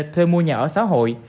thuê mua nhà ở xã hội